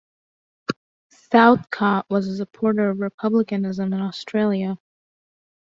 Southcott was a supporter of Republicanism in Australia.